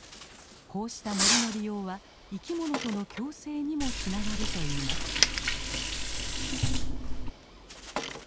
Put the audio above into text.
こうした森の利用は生きものとの共生にもつながるといいます。